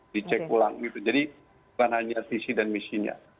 dicek ulang gitu jadi bukan hanya visi dan misinya